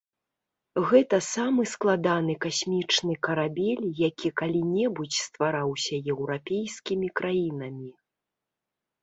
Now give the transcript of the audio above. Гэта самы складаны касмічны карабель, які калі-небудзь ствараўся еўрапейскімі краінамі.